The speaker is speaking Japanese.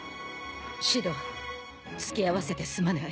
シド付き合わせてすまない。